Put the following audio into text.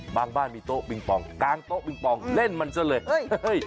บางบ้านมีโต๊ะบิงปองกางโต๊ะบิงปองเล่นมันซะเลย